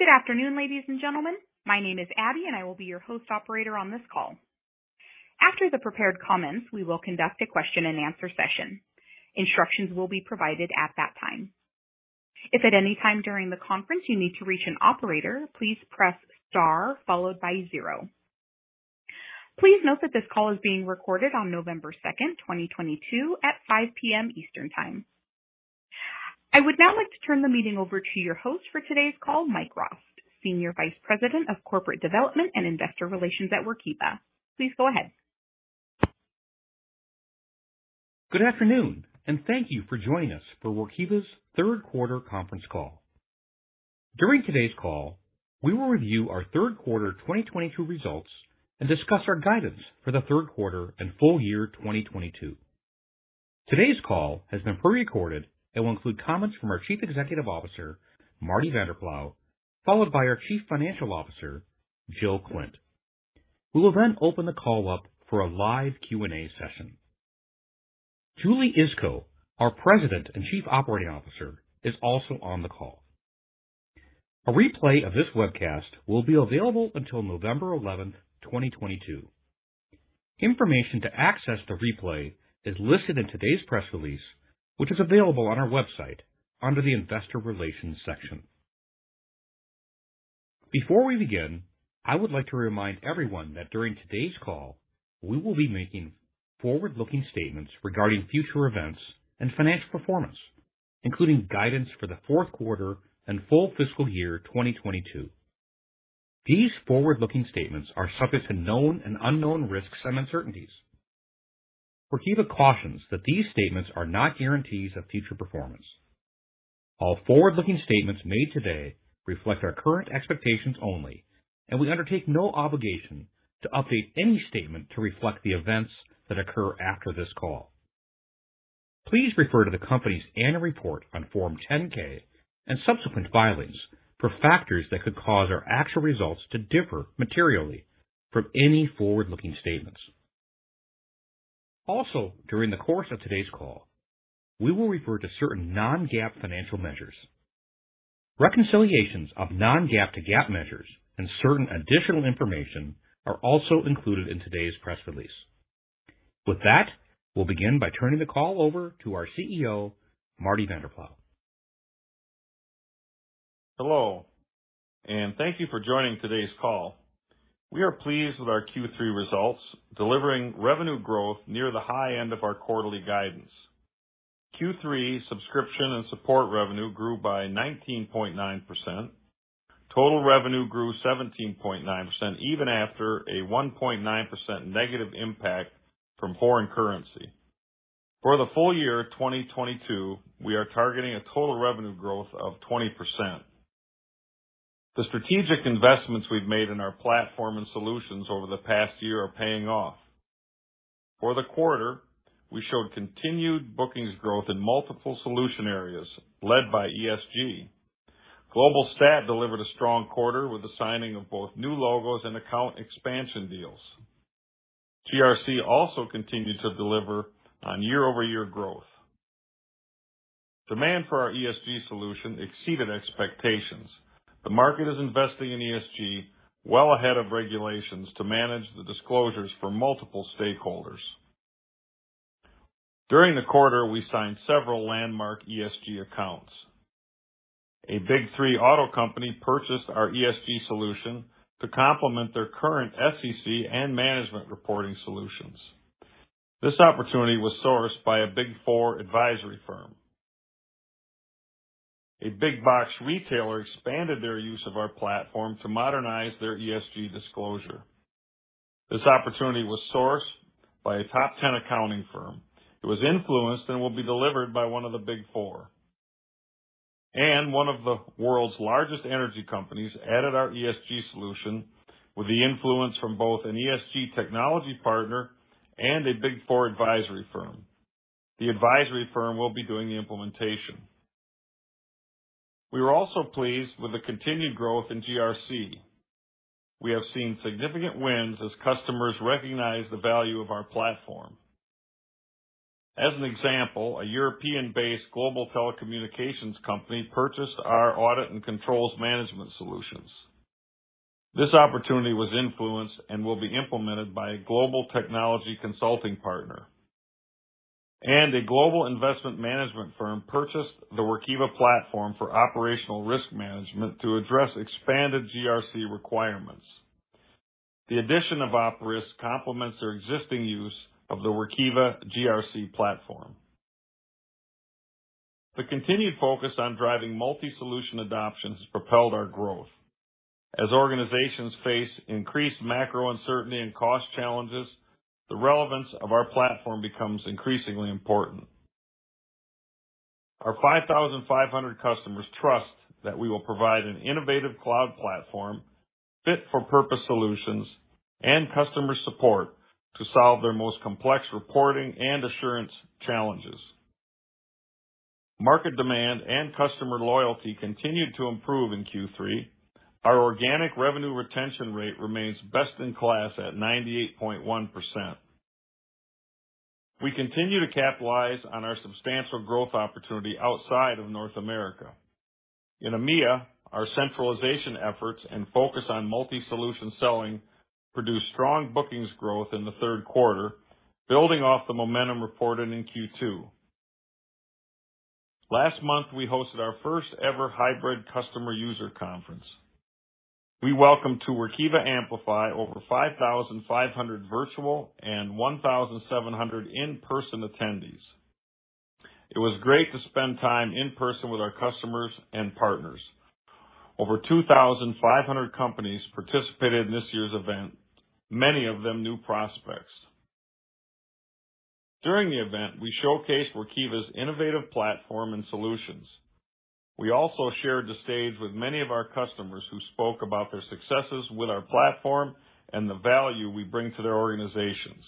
Good afternoon, ladies and gentlemen. My name is Abby, and I will be your host operator on this call. After the prepared comments, we will conduct a question and answer session. Instructions will be provided at that time. If at any time during the conference you need to reach an operator, please press Star followed by zero. Please note that this call is being recorded on November second, twenty twenty-two at 5:00 P.M. Eastern Time. I would now like to turn the meeting over to your host for today's call, Mike Rost, Senior Vice President of Corporate Development and Investor Relations at Workiva. Please go ahead. Good afternoon and thank you for joining us for Workiva's third quarter conference call. During today's call, we will review our third quarter 2022 results and discuss our guidance for the third quarter and full year 2022. Today's call has been prerecorded and will include comments from our Chief Executive Officer, Marty Vanderploeg, followed by our Chief Financial Officer, Jill Klindt. We will then open the call up for a live Q&A session. Julie Iskow, our President and Chief Operating Officer, is also on the call. A replay of this webcast will be available until November 11, 2022. Information to access the replay is listed in today's press release, which is available on our website under the Investor Relations section. Before we begin, I would like to remind everyone that during today's call, we will be making forward-looking statements regarding future events and financial performance, including guidance for the fourth quarter and full fiscal year 2022. These forward-looking statements are subject to known and unknown risks and uncertainties. Workiva cautions that these statements are not guarantees of future performance. All forward-looking statements made today reflect our current expectations only, and we undertake no obligation to update any statement to reflect the events that occur after this call. Please refer to the company's annual report on Form 10-K and subsequent filings for factors that could cause our actual results to differ materially from any forward-looking statements. Also, during the course of today's call, we will refer to certain non-GAAP financial measures. Reconciliations of non-GAAP to GAAP measures and certain additional information are also included in today's press release. With that, we'll begin by turning the call over to our CEO, Marty Vanderploeg. Hello, and thank you for joining today's call. We are pleased with our Q3 results, delivering revenue growth near the high end of our quarterly guidance. Q3 subscription and support revenue grew by 19.9%. Total revenue grew 17.9% even after a 1.9% negative impact from foreign currency. For the full year 2022, we are targeting a total revenue growth of 20%. The strategic investments we've made in our platform and solutions over the past year are paying off. For the quarter, we showed continued bookings growth in multiple solution areas led by ESG. Global Statutory delivered a strong quarter with the signing of both new logos and account expansion deals. GRC also continued to deliver on year-over-year growth. Demand for our ESG solution exceeded expectations. The market is investing in ESG well ahead of regulations to manage the disclosures for multiple stakeholders. During the quarter, we signed several landmark ESG accounts. A Big Three auto company purchased our ESG solution to complement their current SEC and management reporting solutions. This opportunity was sourced by a Big Four advisory firm. A big box retailer expanded their use of our platform to modernize their ESG disclosure. This opportunity was sourced by a top ten accounting firm. It was influenced and will be delivered by one of the Big Four. One of the world's largest energy companies added our ESG solution with the influence from both an ESG technology partner and a Big Four advisory firm. The advisory firm will be doing the implementation. We were also pleased with the continued growth in GRC. We have seen significant wins as customers recognize the value of our platform. As an example, a European-based global telecommunications company purchased our audit and controls management solutions. This opportunity was influenced and will be implemented by a global technology consulting partner. A global investment management firm purchased the Workiva platform for operational risk management to address expanded GRC requirements. The addition of OpRisk complements their existing use of the Workiva GRC platform. The continued focus on driving multi-solution adoption has propelled our growth. As organizations face increased macro uncertainty and cost challenges, the relevance of our platform becomes increasingly important. Our 5,500 customers trust that we will provide an innovative cloud platform fit for purpose solutions and customer support to solve their most complex reporting and assurance challenges. Market demand and customer loyalty continued to improve in Q3. Our organic revenue retention rate remains best in class at 98.1%. We continue to capitalize on our substantial growth opportunity outside of North America. In EMEA, our centralization efforts and focus on multi-solution selling produced strong bookings growth in the third quarter, building off the momentum reported in Q2. Last month, we hosted our first ever hybrid customer user conference. We welcomed to Workiva Amplify over 5,500 virtual and 1,700 in-person attendees. It was great to spend time in person with our customers and partners. Over 2,500 companies participated in this year's event, many of them new prospects. During the event, we showcased Workiva's innovative platform and solutions. We also shared the stage with many of our customers who spoke about their successes with our platform and the value we bring to their organizations.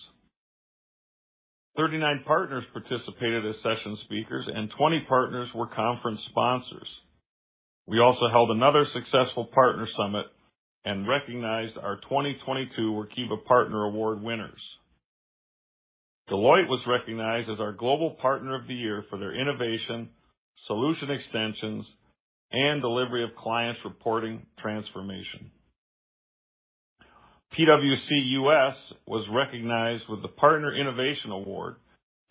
39 partners participated as session speakers, and 20 partners were conference sponsors. We also held another successful partner summit and recognized our 2022 Workiva Partner Award winners. Deloitte was recognized as our Global Partner of the Year for their innovation, solution extensions, and delivery of clients reporting transformation. PwC U.S. was recognized with the Partner Innovation Award.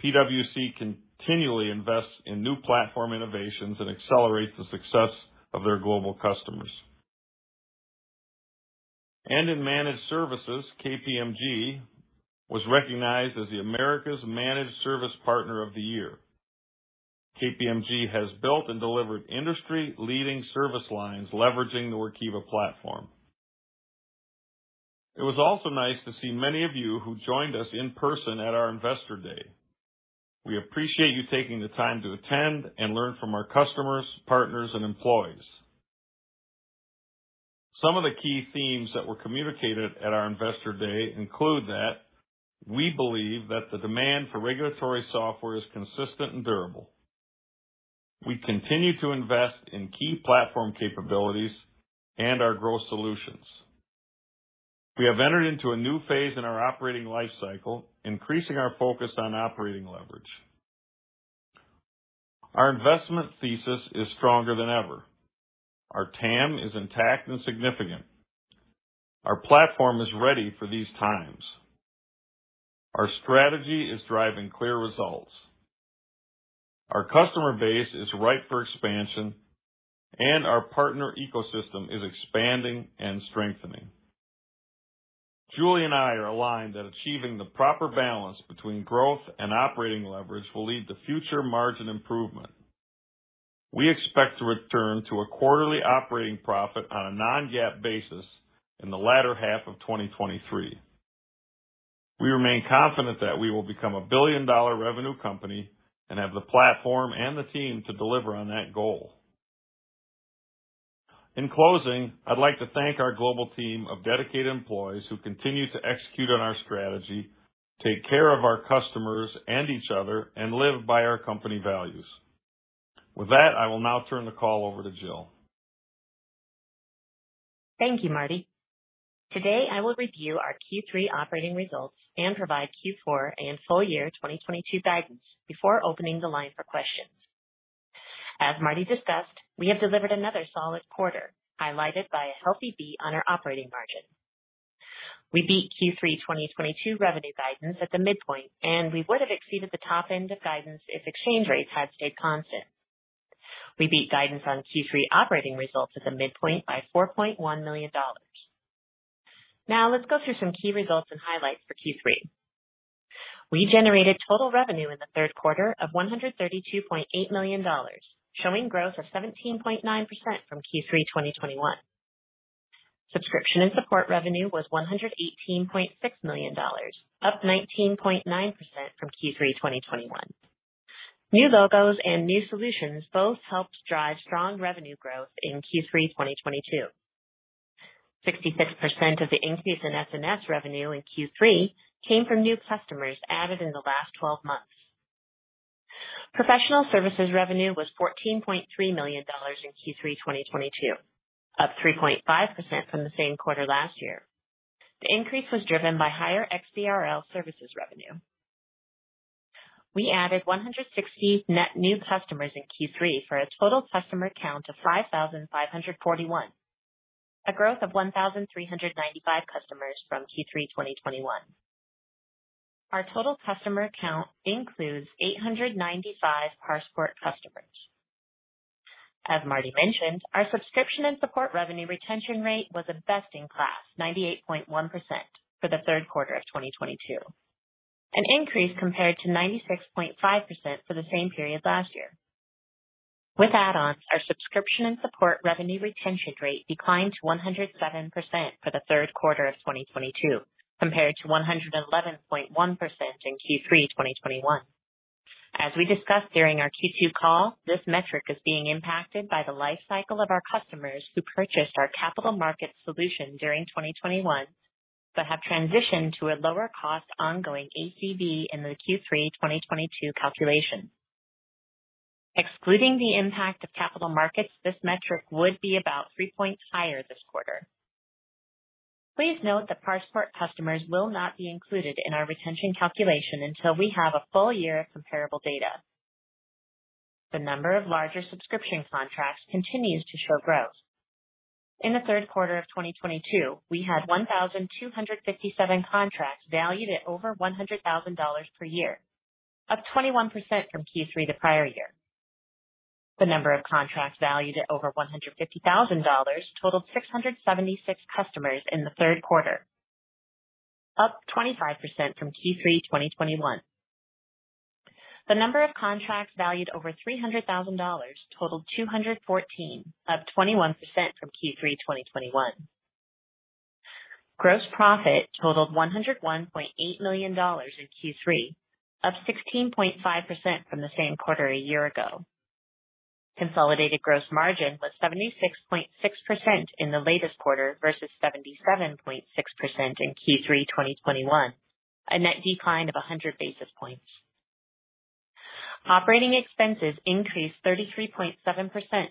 PwC continually invests in new platform innovations and accelerates the success of their global customers. In Managed Services, KPMG was recognized as America's Managed Service Partner of the Year. KPMG has built and delivered industry leading service lines leveraging the Workiva platform. It was also nice to see many of you who joined us in person at our Investor Day. We appreciate you taking the time to attend and learn from our customers, partners, and employees. Some of the key themes that were communicated at our Investor Day include that we believe that the demand for regulatory software is consistent and durable. We continue to invest in key platform capabilities and our growth solutions. We have entered into a new phase in our operating life cycle, increasing our focus on operating leverage. Our investment thesis is stronger than ever. Our TAM is intact and significant. Our platform is ready for these times. Our strategy is driving clear results. Our customer base is ripe for expansion, and our partner ecosystem is expanding and strengthening. Julie and I are aligned that achieving the proper balance between growth and operating leverage will lead to future margin improvement. We expect to return to a quarterly operating profit on a non-GAAP basis in the latter half of 2023. We remain confident that we will become a billion-dollar revenue company and have the platform and the team to deliver on that goal. In closing, I'd like to thank our global team of dedicated employees who continue to execute on our strategy, take care of our customers and each other, and live by our company values. With that, I will now turn the call over to Jill. Thank you, Marty. Today, I will review our Q3 operating results and provide Q4 and full year 2022 guidance before opening the line for questions. As Marty discussed, we have delivered another solid quarter, highlighted by a healthy beat on our operating margin. We beat Q3 2022 revenue guidance at the midpoint, and we would have exceeded the top end of guidance if exchange rates had stayed constant. We beat guidance on Q3 operating results at the midpoint by $4.1 million. Now let's go through some key results and highlights for Q3. We generated total revenue in the third quarter of $132.8 million, showing growth of 17.9% from Q3 2021. Subscription and support revenue was $118.6 million, up 19.9% from Q3 2021. New logos and new solutions both helped drive strong revenue growth in Q3 2022. 66% of the increase in SNS revenue in Q3 came from new customers added in the last 12 months. Professional services revenue was $14.3 million in Q3 2022, up 3.5% from the same quarter last year. The increase was driven by higher XBRL services revenue. We added 160 net new customers in Q3 for a total customer count of 5,541, a growth of 1,395 customers from Q3 2021. Our total customer count includes 895 ParsePort customers. As Marty mentioned, our subscription and support revenue retention rate was a best-in-class 98.1% for the third quarter of 2022, an increase compared to 96.5% for the same period last year. With add-ons, our subscription and support revenue retention rate declined to 107% for the third quarter of 2022, compared to 111.1% in Q3 2021. As we discussed during our Q2 call, this metric is being impacted by the lifecycle of our customers who purchased our capital markets solution during 2021, but have transitioned to a lower cost ongoing ACV in the Q3 2022 calculation. Excluding the impact of capital markets, this metric would be about three points higher this quarter. Please note that ParsePort customers will not be included in our retention calculation until we have a full year of comparable data. The number of larger subscription contracts continues to show growth. In the third quarter of 2022, we had 1,257 contracts valued at over $100,000 per year, up 21% from Q3 the prior year. The number of contracts valued at over $150,000 totaled 676 customers in the third quarter, up 25% from Q3 2021. The number of contracts valued over $300,000 totaled 214, up 21% from Q3 2021. Gross profit totaled $101.8 million in Q3, up 16.5% from the same quarter a year ago. Consolidated gross margin was 76.6% in the latest quarter versus 77.6% in Q3 2021, a net decline of 100 basis points. Operating expenses increased 33.7%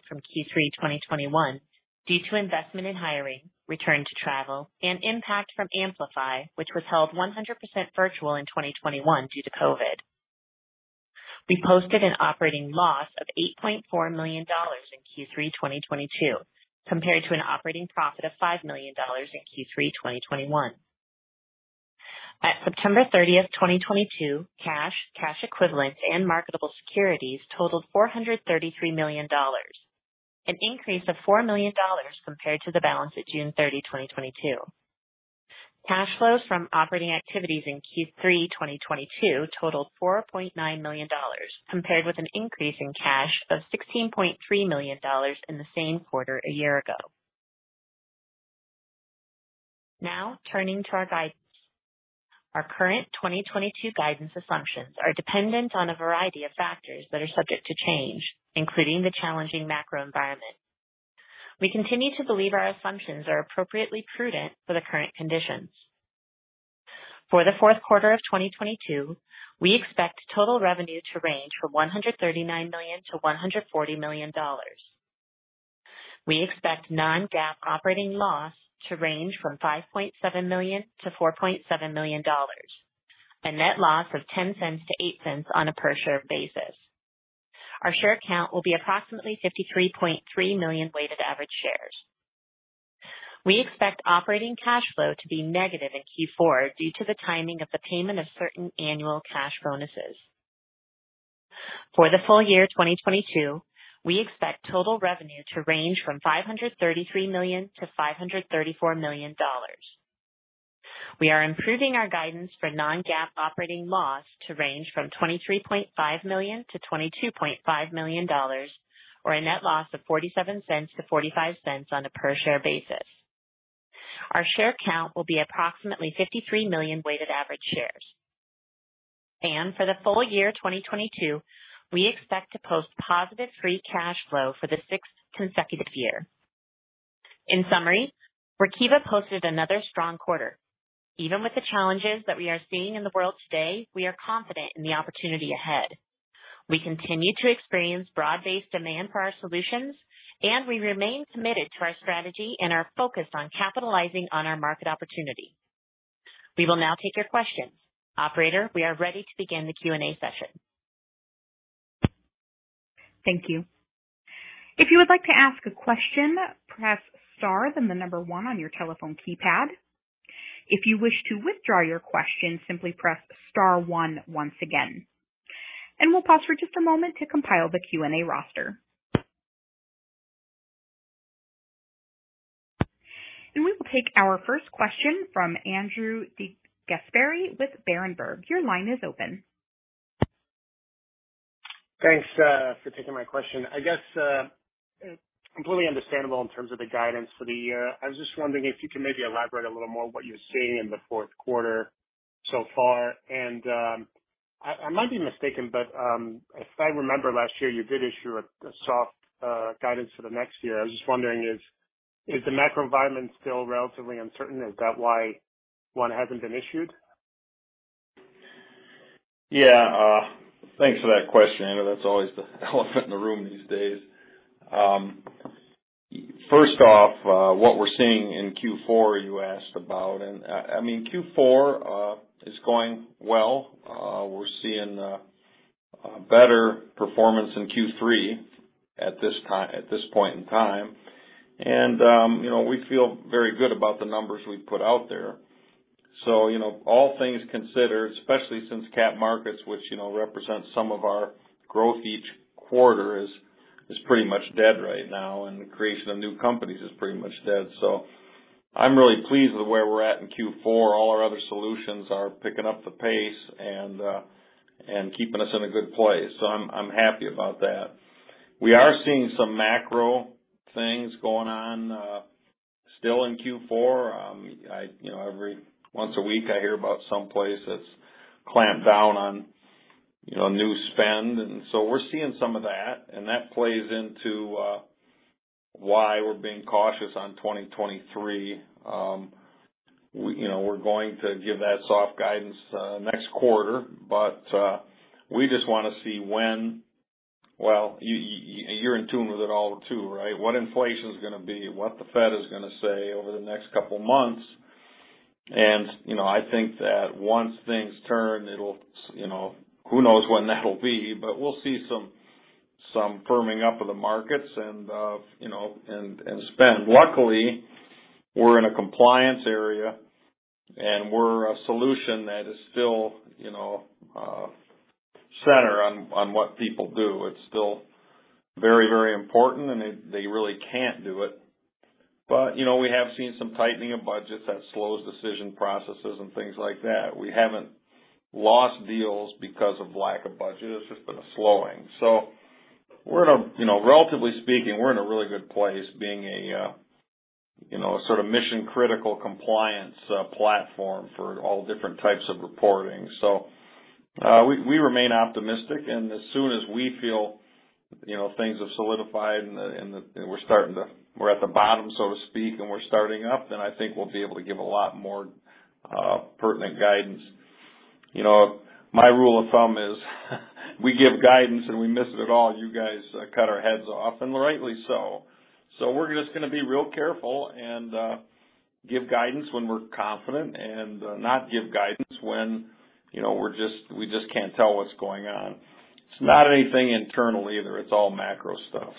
from Q3 2021 due to investment in hiring, return to travel, and impact from Amplify, which was held 100% virtual in 2021 due to COVID. We posted an operating loss of $8.4 million in Q3 2022, compared to an operating profit of $5 million in Q3 2021. At September 30, 2022, cash equivalents and marketable securities totaled $433 million, an increase of $4 million compared to the balance at June 30, 2022. Cash flows from operating activities in Q3 2022 totaled $4.9 million, compared with an increase in cash of $16.3 million in the same quarter a year ago. Now turning to our guidance. Our current 2022 guidance assumptions are dependent on a variety of factors that are subject to change, including the challenging macro environment. We continue to believe our assumptions are appropriately prudent for the current conditions. For the fourth quarter of 2022, we expect total revenue to range from $139 million-$140 million. We expect non-GAAP operating loss to range from $5.7 million-$4.7 million, a net loss of $0.10-$0.08 on a per-share basis. Our share count will be approximately 53.3 million weighted average shares. We expect operating cash flow to be negative in Q4 due to the timing of the payment of certain annual cash bonuses. For the full year 2022, we expect total revenue to range from $533 million-$534 million. We are improving our guidance for non-GAAP operating loss to range from $23.5 million-$22.5 million, or a net loss of $0.47-$0.45 on a per-share basis. Our share count will be approximately 53 million weighted average shares. For the full year 2022, we expect to post positive free cash flow for the sixth consecutive year. In summary, Workiva posted another strong quarter. Even with the challenges that we are seeing in the world today, we are confident in the opportunity ahead. We continue to experience broad-based demand for our solutions, and we remain committed to our strategy and our focus on capitalizing on our market opportunity. We will now take your questions. Operator, we are ready to begin the Q&A session. Thank you. If you would like to ask a question, press Star, then the number one on your telephone keypad. If you wish to withdraw your question, simply press Star one once again. We'll pause for just a moment to compile the Q&A roster. We will take our first question from Andrew DeGasperi with Berenberg. Your line is open. Thanks for taking my question. I guess completely understandable in terms of the guidance for the year. I was just wondering if you can maybe elaborate a little more what you're seeing in the fourth quarter so far. I might be mistaken, but if I remember last year you did issue a soft guidance for the next year. I was just wondering is the macro environment still relatively uncertain? Is that why one hasn't been issued? Yeah. Thanks for that question, Andrew DeGasperi. That's always the elephant in the room these days. First off, what we're seeing in Q4, you asked about and, I mean, Q4 is going well. We're seeing a better performance in Q3 at this point in time. You know, we feel very good about the numbers we've put out there. You know, all things considered, especially since capital markets, which, you know, represent some of our growth each quarter is pretty much dead right now and the creation of new companies is pretty much dead. I'm really pleased with where we're at in Q4. All our other solutions are picking up the pace and keeping us in a good place. I'm happy about that. We are seeing some macro things going on, still in Q4. You know, every once a week I hear about some place that's clamped down on, you know, new spend. That plays into, Why we're being cautious on 2023. We're going to give that soft guidance next quarter, but we just wanna see when. Well, you're in tune with it all too, right? What inflation's gonna be, what the Fed is gonna say over the next couple months. You know, I think that once things turn, it'll. Who knows when that'll be, but we'll see some firming up of the markets and spend. Luckily, we're in a compliance area, and we're a solution that is still center on what people do. It's still very important, and they really can't do it. We have seen some tightening of budgets that slows decision processes and things like that. We haven't lost deals because of lack of budget. It's just been a slowing. We're in a, you know, relatively speaking, we're in a really good place being a, you know, sort of mission-critical compliance platform for all different types of reporting. We remain optimistic, and as soon as we feel, you know, things have solidified and we're at the bottom, so to speak, and we're starting up, then I think we'll be able to give a lot more, pertinent guidance. You know, my rule of thumb is we give guidance, and we miss it at all, you guys cut our heads off, and rightly so. We're just gonna be real careful and give guidance when we're confident and not give guidance when, you know, we just can't tell what's going on. It's not anything internal either. It's all macro stuff.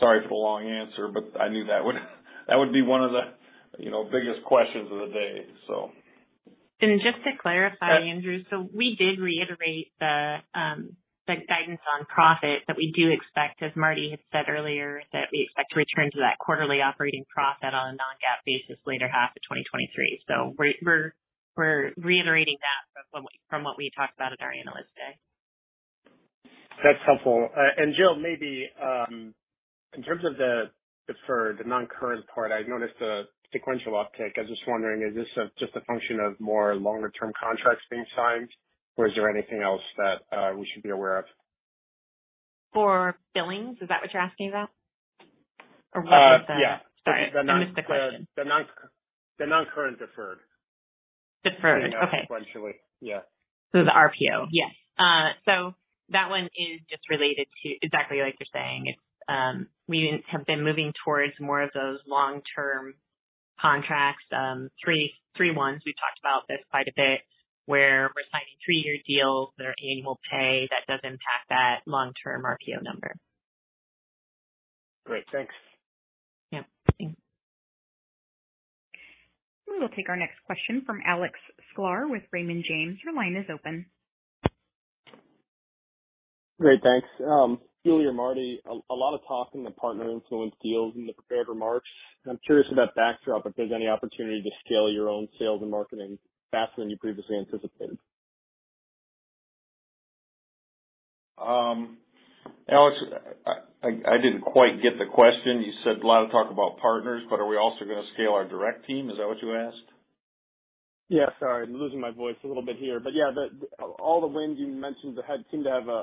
Sorry for the long answer, but I knew that would be one of the, you know, biggest questions of the day, so. Just to clarify, Andrew. We did reiterate the guidance on profit that we do expect, as Marty had said earlier, that we expect to return to that quarterly operating profit on a non-GAAP basis in the latter half of 2023. We're reiterating that from what we talked about at our Analyst Day. That's helpful. Jill, maybe in terms of the deferred, the non-current part, I've noticed a sequential uptick. I was just wondering, is this just a function of more longer term contracts being signed, or is there anything else that we should be aware of? For billings, is that what you're asking about? Yeah. Sorry. The non- I missed the question. The non-current deferred. Deferred. Okay. You know, sequentially. Yeah. The RPO? Yes. That one is just related to exactly like you're saying. It's we have been moving towards more of those long-term contracts. Three ones. We've talked about this quite a bit, where we're signing three-year deals that are annual pay. That does impact that long-term RPO number. Great. Thanks. Yeah. Thanks. We'll take our next question from Alex Sklar with Raymond James. Your line is open. Great. Thanks. Julie and Marty, a lot of talk in the partner-influenced deals in the prepared remarks, and I'm curious, against that backdrop, if there's any opportunity to scale your own sales and marketing faster than you previously anticipated. Alex, I didn't quite get the question. You said a lot of talk about partners, but are we also gonna scale our direct team? Is that what you asked? Yeah. Sorry, I'm losing my voice a little bit here. Yeah, all the wins you mentioned had seemed to have a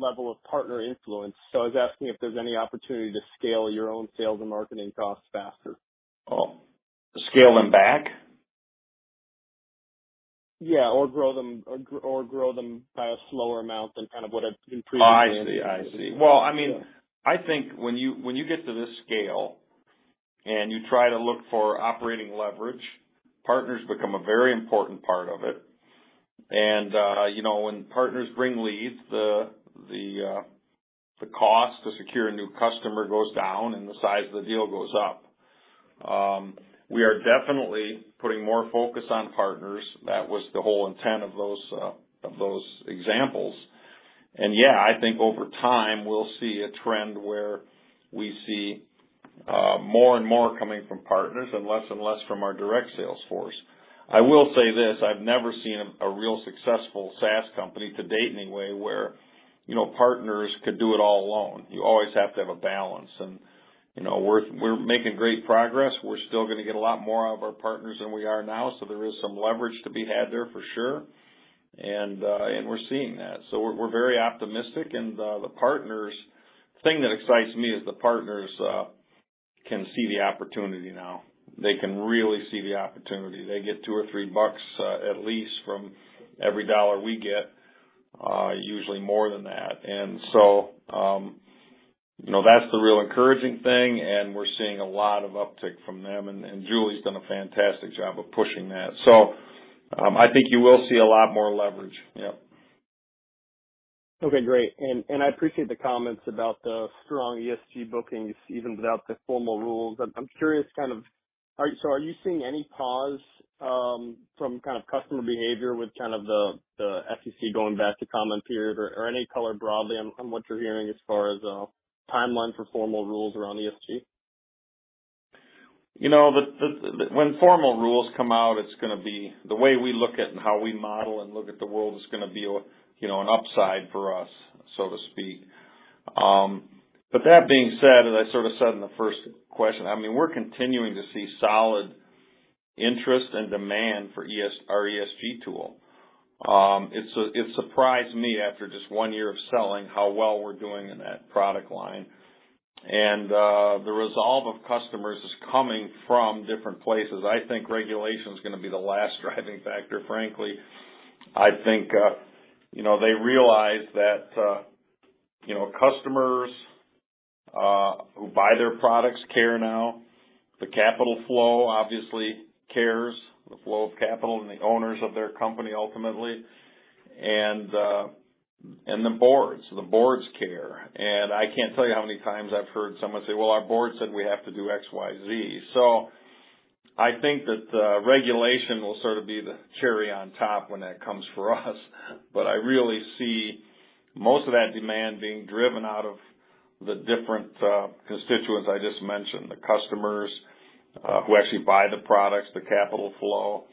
high level of partner influence, so I was asking if there's any opportunity to scale your own sales and marketing costs faster. Oh. Scale them back? Yeah. Grow them by a slower amount than kind of what I've been previously anticipated. I see. Well, I mean, I think when you get to this scale and you try to look for operating leverage, partners become a very important part of it. You know, when partners bring leads, the cost to secure a new customer goes down, and the size of the deal goes up. We are definitely putting more focus on partners. That was the whole intent of those examples. Yeah, I think over time, we'll see a trend where we see more and more coming from partners and less and less from our direct sales force. I will say this. I've never seen a real successful SaaS company to date anyway, where, you know, partners could do it all alone. You always have to have a balance. You know, we're making great progress. We're still gonna get a lot more out of our partners than we are now, so there is some leverage to be had there for sure. We're seeing that. We're very optimistic. The thing that excites me is the partners can see the opportunity now. They can really see the opportunity. They get $2 or $3 at least from every $1 we get, usually more than that. You know, that's the real encouraging thing, and we're seeing a lot of uptick from them. Julie's done a fantastic job of pushing that. I think you will see a lot more leverage. Yep. Okay. Great. I appreciate the comments about the strong ESG bookings, even without the formal rules. I'm curious, kind of, are you seeing any pause from kind of customer behavior with kind of the SEC going back to comment period or any color broadly on what you're hearing as far as timeline for formal rules around ESG? You know, when formal rules come out, it's gonna be the way we look at and how we model and look at the world is gonna be an upside for us, so to speak. But that being said, as I sort of said in the first question, I mean, we're continuing to see solid interest and demand for our ESG tool. It surprised me after just one year of selling how well we're doing in that product line. The resolve of customers is coming from different places. I think regulation is gonna be the last driving factor, frankly. I think, you know, they realize that, you know, customers who buy their products care now. The capital flow obviously cares, the flow of capital and the owners of their company ultimately. The boards care. I can't tell you how many times I've heard someone say, "Well, our board said we have to do X, Y, Z." I think that the regulation will sort of be the cherry on top when that comes for us. I really see most of that demand being driven out of the different constituents I just mentioned, the customers who actually buy the products, the capital flow,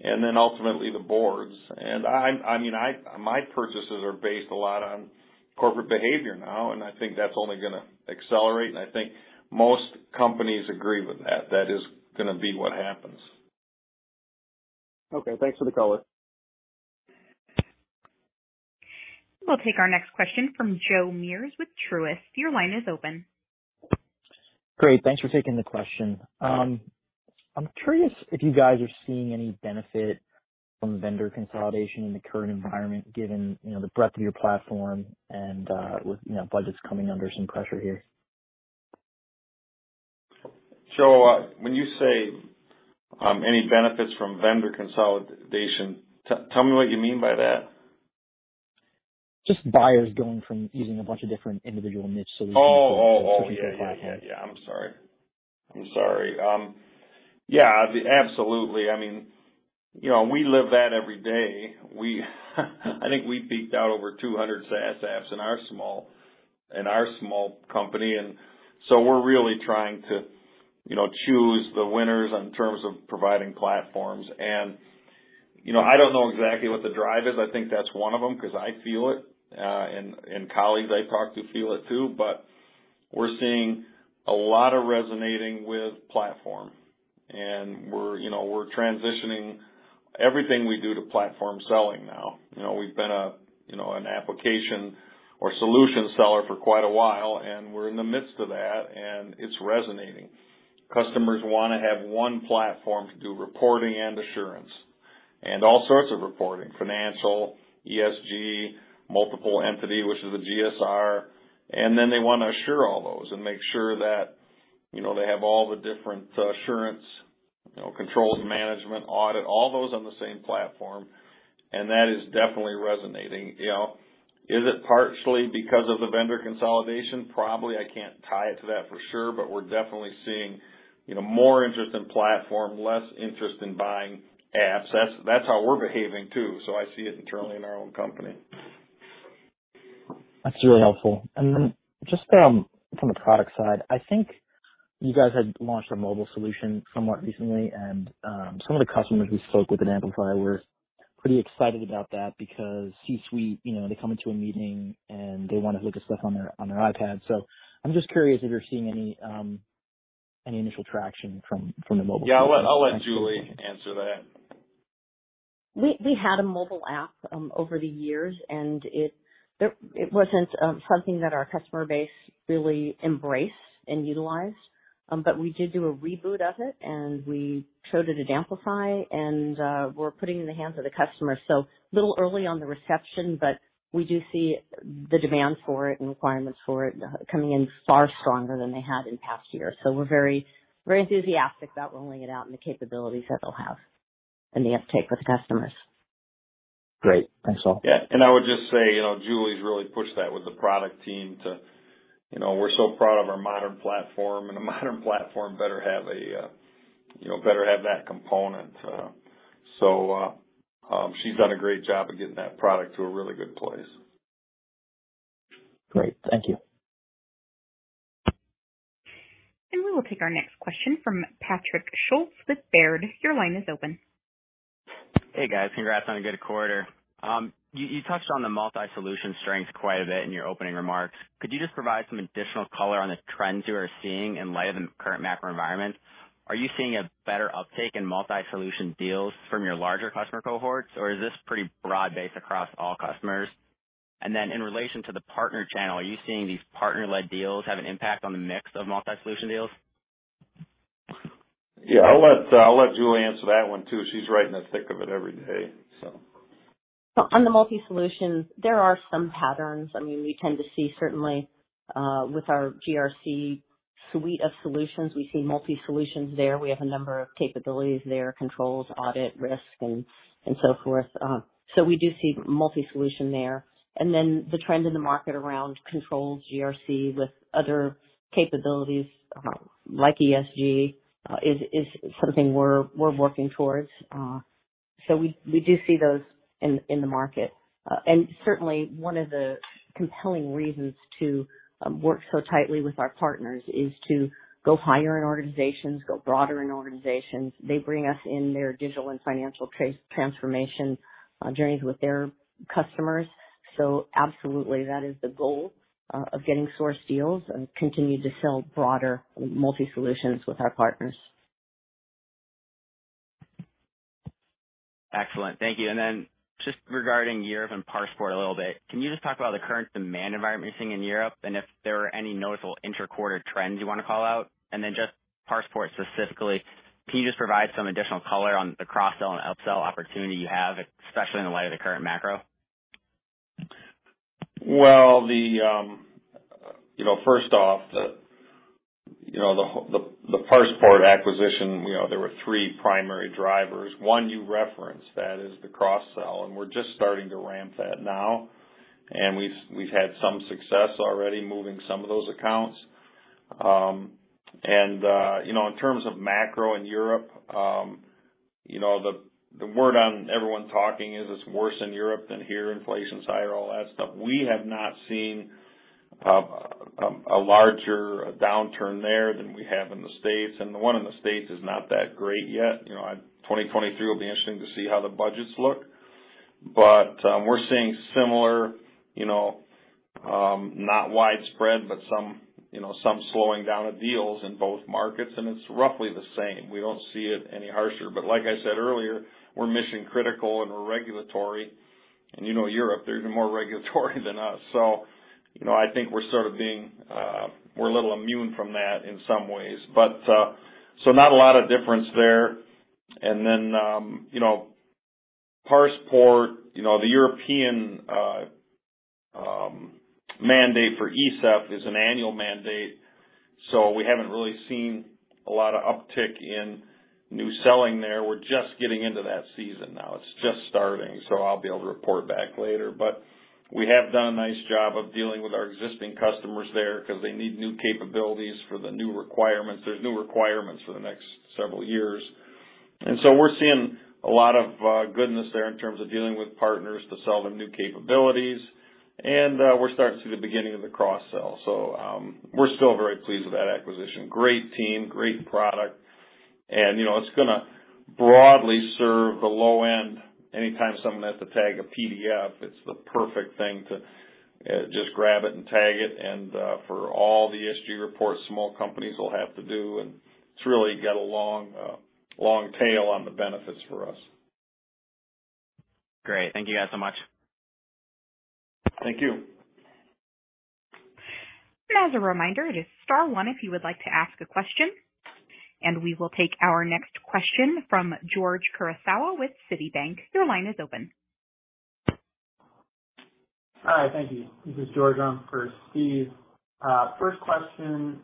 and then ultimately the boards. I'm, I mean, my purchases are based a lot on corporate behavior now, and I think that's only gonna accelerate, and I think most companies agree with that. That is gonna be what happens. Okay, thanks for the color. We'll take our next question from Joe Meares with Truist. Your line is open. Great. Thanks for taking the question. I'm curious if you guys are seeing any benefit from vendor consolidation in the current environment, given, you know, the breadth of your platform and, with, you know, budgets coming under some pressure here? Joe, when you say, any benefits from vendor consolidation, tell me what you mean by that? Just buyers going from using a bunch of different individual niche solutions- Oh. To a single platform. Yeah. I'm sorry. Yeah, absolutely. I mean, you know, we live that every day. We think we peaked out over 200 SaaS apps in our small company, so we're really trying to, you know, choose the winners in terms of providing platforms. You know, I don't know exactly what the drive is. I think that's one of them because I feel it, and colleagues I talk to feel it too. We're seeing a lot of resonance with platform, and we're, you know, transitioning everything we do to platform selling now. You know, we've been, you know, an application or solution seller for quite a while, and we're in the midst of that, and it's resonating. Customers wanna have one platform to do reporting and assurance. All sorts of reporting, financial, ESG, multiple entity, which is a GSR, and then they want to assure all those and make sure that, you know, they have all the different assurance, you know, controls, management, audit, all those on the same platform, and that is definitely resonating. You know, is it partially because of the vendor consolidation? Probably. I can't tie it to that for sure, but we're definitely seeing, you know, more interest in platform, less interest in buying apps. That's how we're behaving too. I see it internally in our own company. That's really helpful. Then just from a product side, I think you guys had launched a mobile solution somewhat recently, and some of the customers we spoke with at Amplify were pretty excited about that because C-suite, you know, they come into a meeting, and they want to look at stuff on their iPad. I'm just curious if you're seeing any initial traction from the mobile- Yeah. I'll let Julie answer that. We had a mobile app over the years, and it wasn't something that our customer base really embraced and utilized. We did do a reboot of it, and we showed it at Amplify, and we're putting it in the hands of the customer. A little early on the reception, but we do see the demand for it and requirements for it coming in far stronger than they had in past years. We're very, very enthusiastic about rolling it out and the capabilities that they'll have and the uptake with customers. Great. Thanks, all. Yeah. I would just say, you know, Julie's really pushed that with the product team to, you know, we're so proud of our modern platform, and a modern platform better have that component. She's done a great job of getting that product to a really good place. Great. Thank you. We will take our next question from Patrick Schulz with Baird. Your line is open. Hey, guys. Congrats on a good quarter. You touched on the multi-solution strengths quite a bit in your opening remarks. Could you just provide some additional color on the trends you are seeing in light of the current macro environment? Are you seeing a better uptake in multi-solution deals from your larger customer cohorts, or is this pretty broad-based across all customers? In relation to the partner channel, are you seeing these partner-led deals have an impact on the mix of multi-solution deals? Yeah. I'll let Julie answer that one, too. She's right in the thick of it every day, so. On the multi-solutions, there are some patterns. I mean, we tend to see certainly with our GRC suite of solutions, we see multi-solutions there. We have a number of capabilities there, controls, audit, risk and so forth. We do see multi-solution there. The trend in the market around controlled GRC with other capabilities like ESG is something we're working towards. We do see those in the market. Certainly one of the compelling reasons to work so tightly with our partners is to go higher in organizations, go broader in organizations. They bring us in their digital and financial transformation journeys with their customers. Absolutely that is the goal of getting sourced deals and continue to sell broader multi solutions with our partners. Excellent. Thank you. Just regarding Europe and ParsePort a little bit, can you just talk about the current demand environment you're seeing in Europe, and if there are any noticeable inter-quarter trends you want to call out? Just ParsePort specifically, can you just provide some additional color on the cross-sell and upsell opportunity you have, especially in light of the current macro? Well, you know, first off, the ParsePort acquisition, you know, there were three primary drivers. One you referenced, that is the cross-sell, and we're just starting to ramp that now. We've had some success already moving some of those accounts. You know, in terms of macro in Europe, you know, the word everyone's talking is it's worse in Europe than here, inflation's higher, all that stuff. We have not seen a larger downturn there than we have in the States, and the one in the States is not that great yet. You know, 2023 will be interesting to see how the budgets look. We're seeing similar, not widespread, but some slowing down of deals in both markets, and it's roughly the same. We don't see it any harsher. Like I said earlier, we're mission critical and we're regulatory. You know Europe, they're even more regulatory than us. You know, I think we're a little immune from that in some ways. Not a lot of difference there. You know, ParsePort, you know, the European mandate for ESEF is an annual mandate, so we haven't really seen a lot of uptick in new selling there. We're just getting into that season now. It's just starting, so I'll be able to report back later. We have done a nice job of dealing with our existing customers there 'cause they need new capabilities for the new requirements. There's new requirements for the next several years. We're seeing a lot of goodness there in terms of dealing with partners to sell them new capabilities. We're starting to see the beginning of the cross-sell. We're still very pleased with that acquisition. Great team, great product, and you know it's gonna broadly serve the low end. Anytime someone has to tag a PDF, it's the perfect thing to just grab it and tag it. For all the ESG reports small companies will have to do, and it's really got a long tail on the benefits for us. Great. Thank you guys so much. Thank you. As a reminder, it is star one if you would like to ask a question. We will take our next question from George Kurosawa with Citi. Your line is open. Hi. Thank you. This is George Kurosawa. One for Steve. First question.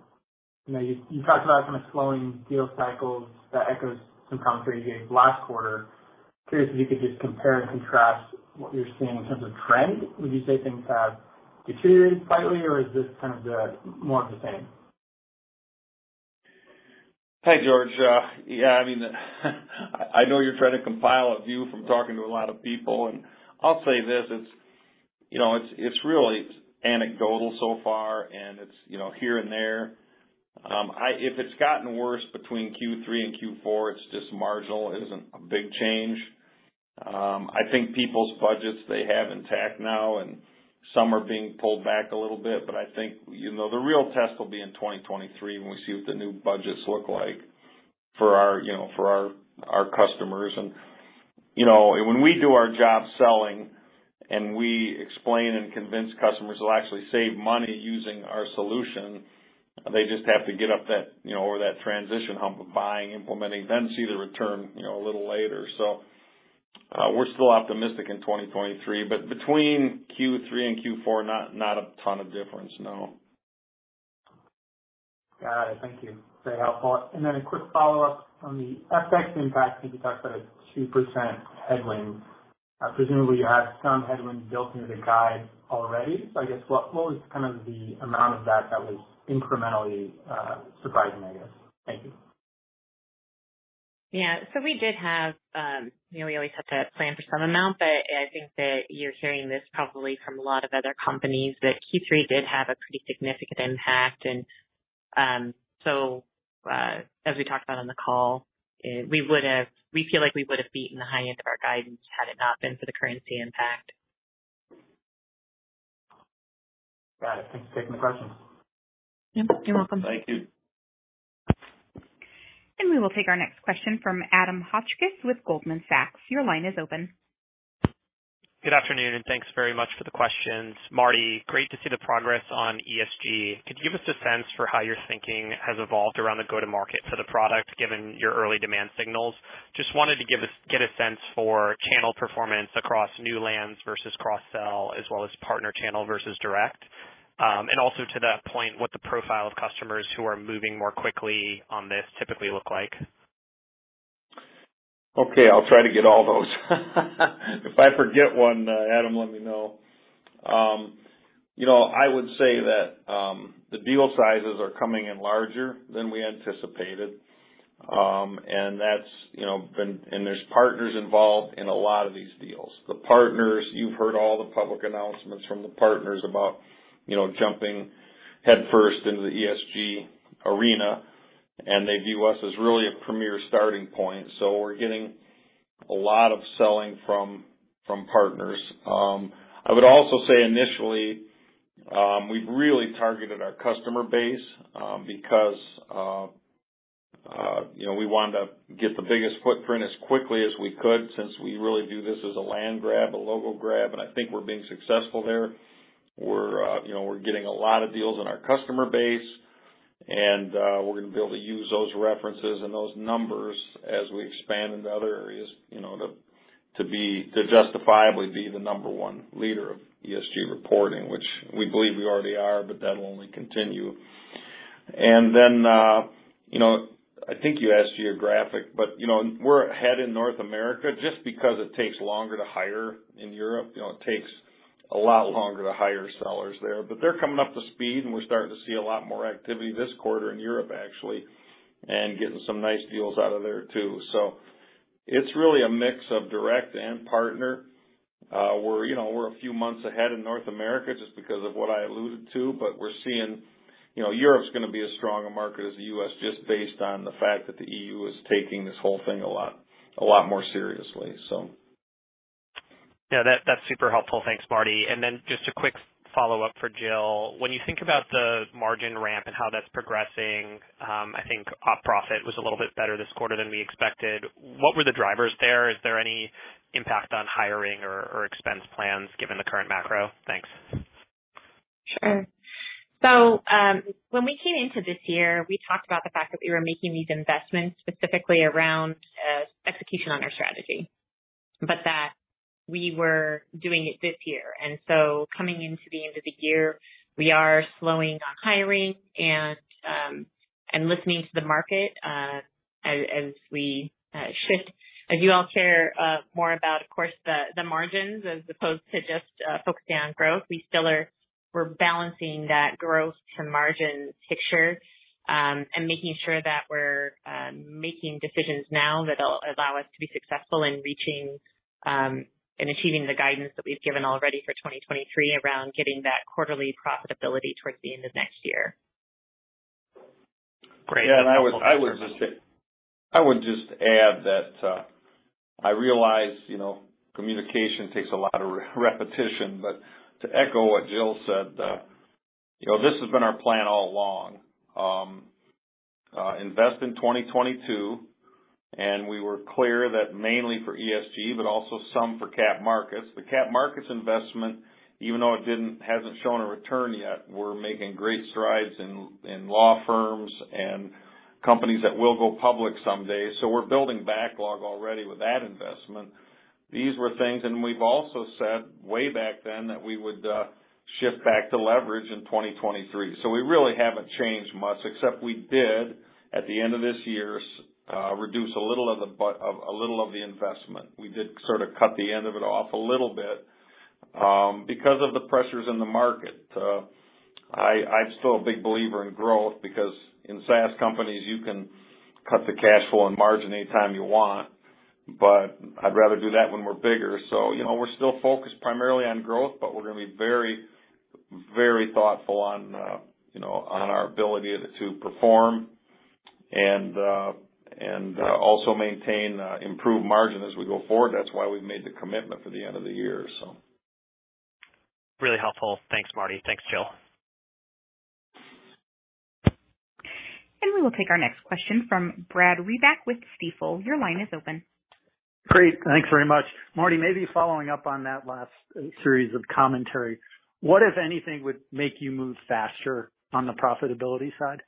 You know, you talked about kind of slowing deal cycles that echoes some commentary you gave last quarter. Curious if you could just compare and contrast what you're seeing in terms of trend. Would you say things have deteriorated slightly, or is this kind of more of the same? Hey, George. Yeah, I mean, I know you're trying to compile a view from talking to a lot of people, and I'll say this, it's, you know, it's really anecdotal so far, and it's, you know, here and there. If it's gotten worse between Q3 and Q4, it's just marginal. It isn't a big change. I think people's budgets, they have intact now, and some are being pulled back a little bit, but I think, you know, the real test will be in 2023 when we see what the new budgets look like for our, you know, for our customers. You know, when we do our job selling and we explain and convince customers they'll actually save money using our solution, they just have to get over that, you know, transition hump of buying, implementing, then see the return, you know, a little later. We're still optimistic in 2023, but between Q3 and Q4, not a ton of difference, no. Got it. Thank you. Very helpful. A quick follow-up on the FX impact. I think you talked about a 2% headwind. Presumably you have some headwinds built into the guide already. I guess what was kind of the amount of that that was incrementally surprising, I guess? Thank you. Yeah. We did have, you know, we always have to plan for some amount, but I think that you're hearing this probably from a lot of other companies, that Q3 did have a pretty significant impact. As we talked about on the call, we feel like we would have beaten the high end of our guidance had it not been for the currency impact. Got it. Thanks for taking the question. Yep, you're welcome. Thank you. We will take our next question from Adam Hotchkiss with Goldman Sachs. Your line is open. Good afternoon, and thanks very much for the questions. Marty, great to see the progress on ESG. Could you give us a sense for how your thinking has evolved around the go-to-market for the product, given your early demand signals? Get a sense for channel performance across new lands versus cross-sell, as well as partner channel versus direct. To that point, what the profile of customers who are moving more quickly on this typically look like. Okay, I'll try to get all those. If I forget one, Adam, let me know. You know, I would say that the deal sizes are coming in larger than we anticipated. That's, you know, and there's partners involved in a lot of these deals. The partners, you've heard all the public announcements from the partners about, you know, jumping headfirst into the ESG arena. They view us as really a premier starting point. We're getting a lot of selling from partners. I would also say initially, we've really targeted our customer base because you know, we wanted to get the biggest footprint as quickly as we could since we really view this as a land grab, a logo grab, and I think we're being successful there. We're, you know, we're getting a lot of deals on our customer base, and, we're gonna be able to use those references and those numbers as we expand into other areas, you know, to justifiably be the number one leader of ESG reporting, which we believe we already are, but that'll only continue. You know, I think you asked geographic, but, you know, we're ahead in North America just because it takes longer to hire in Europe. You know, it takes a lot longer to hire sellers there. They're coming up to speed, and we're starting to see a lot more activity this quarter in Europe, actually, and getting some nice deals out of there too. It's really a mix of direct and partner. We're, you know, we're a few months ahead in North America just because of what I alluded to, but we're seeing, you know, Europe's gonna be as strong a market as the U.S. just based on the fact that the E.U. is taking this whole thing a lot more seriously, so. Yeah, that's super helpful. Thanks, Marty. Then just a quick follow-up for Jill. When you think about the margin ramp and how that's progressing, I think op profit was a little bit better this quarter than we expected, what were the drivers there? Is there any impact on hiring or expense plans given the current macro? Thanks. Sure. When we came into this year, we talked about the fact that we were making these investments specifically around execution on our strategy, but that we were doing it this year. Coming into the end of the year, we are slowing on hiring and listening to the market as we shift. As you all care more about, of course, the margins as opposed to just focusing on growth, we still are. We're balancing that growth to margin picture and making sure that we're making decisions now that'll allow us to be successful in reaching and achieving the guidance that we've given already for 2023 around getting that quarterly profitability towards the end of next year. Great. Yeah. I would just add that, I realize, you know, communication takes a lot of repetition, but to echo what Jill said, you know, this has been our plan all along. Invest in 2022, and we were clear that mainly for ESG, but also some for capital markets. The capital markets investment, even though it hasn't shown a return yet, we're making great strides in law firms and companies that will go public someday. We're building backlog already with that investment. These were things. We've also said way back then that we would shift back to leverage in 2023. We really haven't changed much, except we did, at the end of this year, reduce a little of the investment. We did sort of cut the end of it off a little bit, because of the pressures in the market. I'm still a big believer in growth because in SaaS companies, you can cut the cash flow and margin anytime you want, but I'd rather do that when we're bigger. You know, we're still focused primarily on growth, but we're gonna be very, very thoughtful on, you know, on our ability to perform and also maintain improved margin as we go forward. That's why we've made the commitment for the end of the year. Really helpful. Thanks, Marty. Thanks, Jill. We will take our next question from Brad Reback with Stifel. Your line is open. Great. Thanks very much. Marty, maybe following up on that last series of commentary. What, if anything, would make you move faster on the profitability side?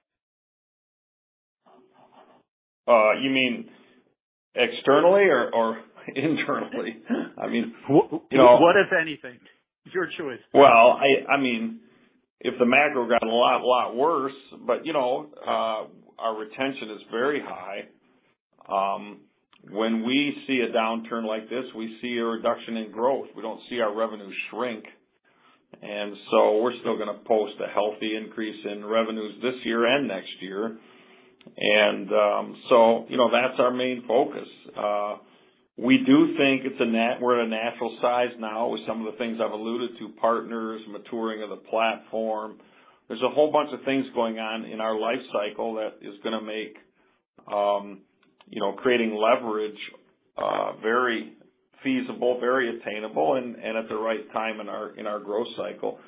You mean externally or internally? I mean, you know. What, if anything? It's your choice. I mean, if the macro got a lot worse. You know, our retention is very high. When we see a downturn like this, we see a reduction in growth. We don't see our revenue shrink. We're still gonna post a healthy increase in revenues this year and next year. You know, that's our main focus. We do think we're at a natural size now with some of the things I've alluded to, partners, maturing of the platform. There's a whole bunch of things going on in our life cycle that is gonna make you know, creating leverage very feasible, very attainable, and at the right time in our growth cycle.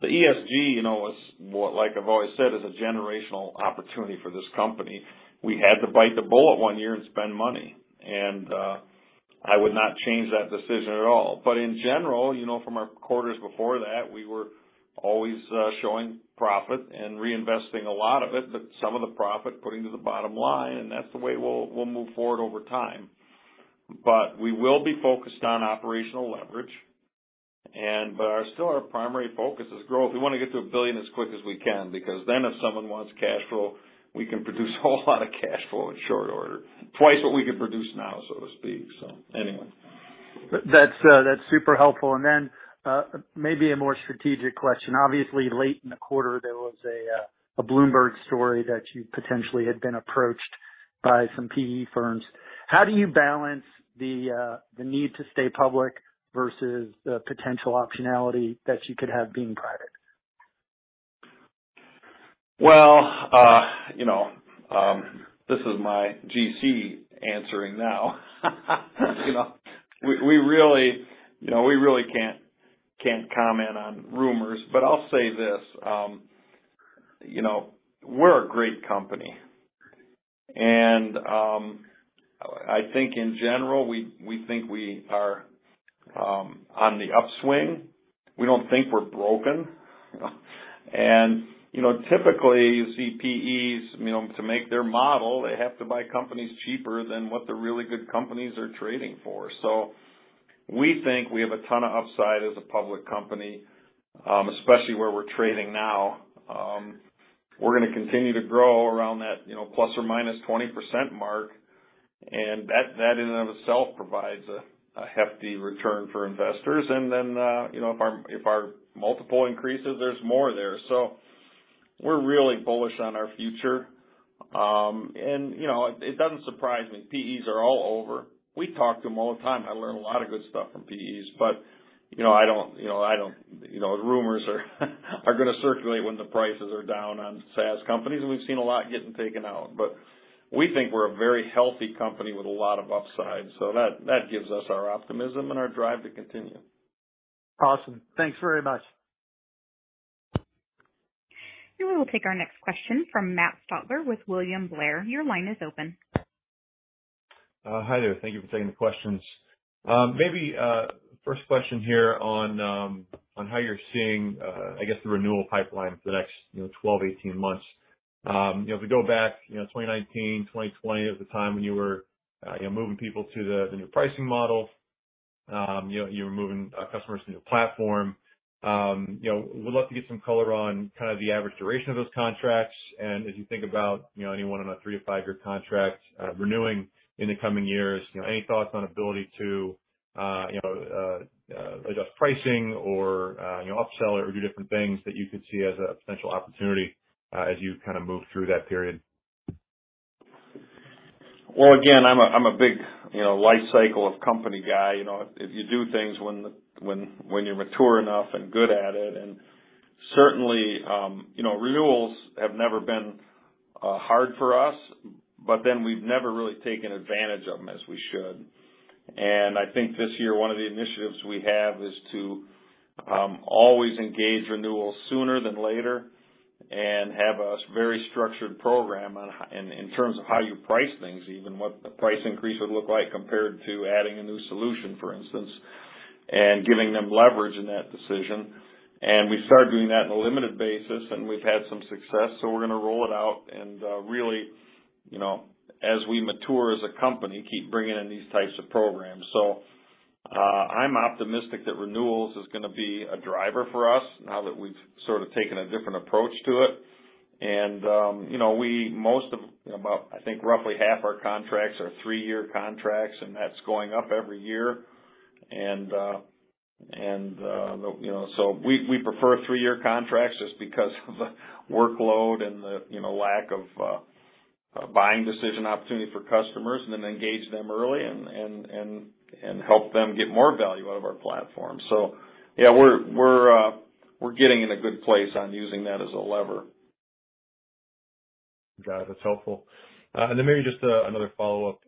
The ESG, you know, is what like I've always said, is a generational opportunity for this company. We had to bite the bullet one year and spend money, and I would not change that decision at all. In general, you know, from our quarters before that, we were always showing profit and reinvesting a lot of it, but some of the profit putting to the bottom line, and that's the way we'll move forward over time. We will be focused on operational leverage but still our primary focus is growth. We wanna get to a billion as quick as we can because then if someone wants cash flow, we can produce a whole lot of cash flow in short order. Twice what we can produce now, so to speak. Anyway. That's super helpful. Maybe a more strategic question. Obviously, late in the quarter, there was a Bloomberg story that you potentially had been approached. By some PE firms. How do you balance the need to stay public versus the potential optionality that you could have being private? Well, you know, this is my GC answering now. You know, we really, you know, we really can't comment on rumors, but I'll say this. You know, we're a great company. I think in general, we think we are on the upswing. We don't think we're broken. You know, typically, you see PEs, you know, to make their model, they have to buy companies cheaper than what the really good companies are trading for. So we think we have a ton of upside as a public company, especially where we're trading now. We're gonna continue to grow around that, you know, plus or minus 20% mark. That in and of itself provides a hefty return for investors. Then, you know, if our multiple increases, there's more there. We're really bullish on our future. It doesn't surprise me. PEs are all over. We talk to them all the time. I learn a lot of good stuff from PEs, but rumors are gonna circulate when the prices are down on SaaS companies, and we've seen a lot getting taken out. We think we're a very healthy company with a lot of upside. That gives us our optimism and our drive to continue. Awesome. Thanks very much. We will take our next question from Matthew Stotler with William Blair. Your line is open. Hi there. Thank you for taking the questions. Maybe first question here on how you're seeing, I guess, the renewal pipeline for the next, you know, 12 months, 18 months. You know, if we go back, you know, 2019, 2020, at the time when you were, you know, moving people to the new pricing model, you know, you were moving customers to new platform. You know, would love to get some color on kind of the average duration of those contracts. As you think about, you know, anyone on a three to five-year contract renewing in the coming years, you know, any thoughts on ability to, you know, adjust pricing or, you know, upsell or do different things that you could see as a potential opportunity, as you kind of move through that period? Well, again, I'm a big, you know, life cycle of company guy. You know, if you do things when you're mature enough and good at it, and certainly, you know, renewals have never been hard for us, but then we've never really taken advantage of them as we should. I think this year, one of the initiatives we have is to always engage renewals sooner than later and have a very structured program in terms of how you price things even, what the price increase would look like compared to adding a new solution, for instance, and giving them leverage in that decision. We've started doing that on a limited basis, and we've had some success, so we're gonna roll it out and, really, you know, as we mature as a company, keep bringing in these types of programs. I'm optimistic that renewals is gonna be a driver for us now that we've sort of taken a different approach to it. You know, about, I think, roughly half our contracts are three-year contracts, and that's going up every year. You know, so we prefer three-year contracts just because of the workload and the, you know, lack of buying decision opportunity for customers and then engage them early and help them get more value out of our platform. Yeah, we're getting in a good place on using that as a lever. Got it. That's helpful. Then maybe just another follow-up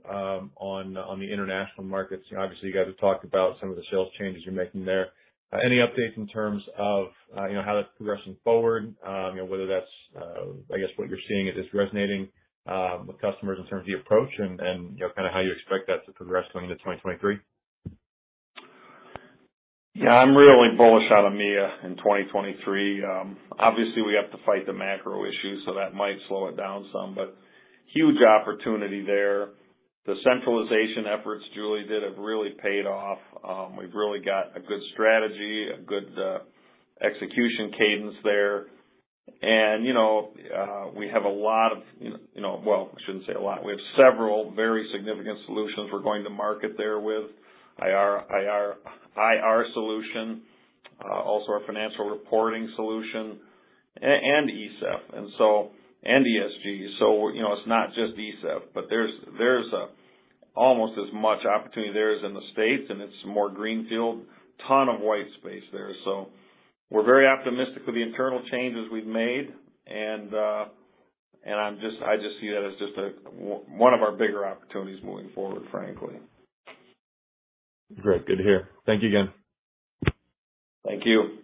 on the international markets. Obviously, you guys have talked about some of the sales changes you're making there. Any updates in terms of you know how that's progressing forward? You know whether that's I guess what you're seeing is this resonating with customers in terms of the approach and you know kind of how you expect that to progress going into 2023. Yeah, I'm really bullish on EMEA in 2023. Obviously, we have to fight the macro issues, so that might slow it down some, but huge opportunity there. The centralization efforts Julie did have really paid off. We've really got a good strategy, a good execution cadence there. You know, we have a lot of, you know, well, I shouldn't say a lot. We have several very significant solutions we're going to market there with IR solution, also our financial reporting solution and ESEF. ESG. You know, it's not just ESEF, but there's almost as much opportunity there as in the States, and it's more greenfield. Ton of white space there. We're very optimistic with the internal changes we've made. I just see that as just one of our bigger opportunities moving forward, frankly. Great. Good to hear. Thank you again. Thank you.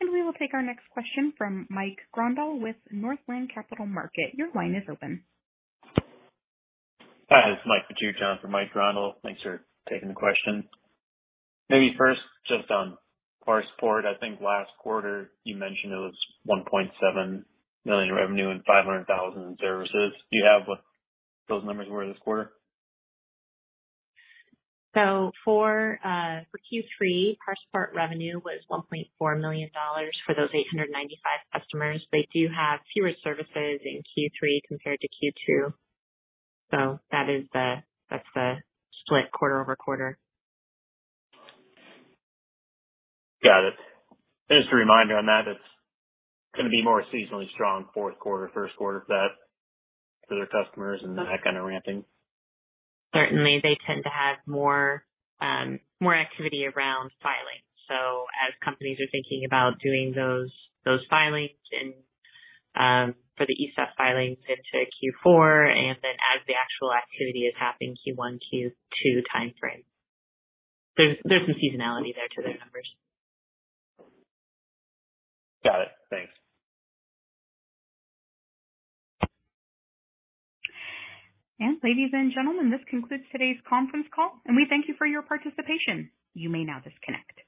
We will take our next question from Mike Grondahl with Northland Capital Markets. Your line is open. Hi, this is Mike Matejka in for Mike Grondahl. Thanks for taking the question. Maybe first, just on ParsePort, I think last quarter you mentioned it was $1.7 million in revenue and $500,000 in services. Do you have what those numbers were this quarter? For Q3, ParsePort revenue was $1.4 million for those 895 customers. They do have fewer services in Q3 compared to Q2. That is the split quarter-over-quarter. Got it. Just a reminder on that, it's gonna be more seasonally strong fourth quarter, first quarter for that to their customers and that kind of ramping. Certainly. They tend to have more activity around filings. As companies are thinking about doing those filings and for the ESEF filings into Q4, and then as the actual activity is happening Q1, Q2 timeframe. There's some seasonality there to those numbers. Got it. Thanks. Ladies and gentlemen, this concludes today's conference call, and we thank you for your participation. You may now disconnect.